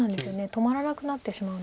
止まらなくなってしまうので。